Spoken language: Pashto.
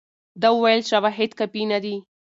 ده وویل شواهد کافي نه دي.